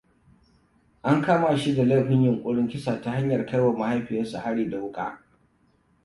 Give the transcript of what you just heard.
An kama shi da laifin yuƙurin kisa ta hanyar kaiwa mahaifiyarsa hari da wuƙa.